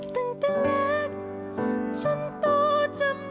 ตั้งแต่เล็กจนโตจำ